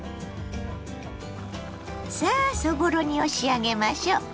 さあそぼろ煮を仕上げましょう。